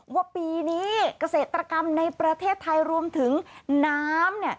ว่าปีนี้เกษตรกรรมในประเทศไทยรวมถึงน้ำ